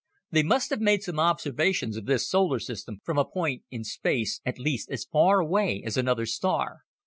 They must have made some observations of this solar system from a point in space at least as far away as another star.